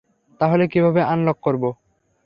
তাহলে কীভাবে আনলক করব?